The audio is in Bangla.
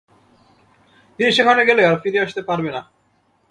তিনি সেখানে গেলে আর ফিরে আসতে পারবে না।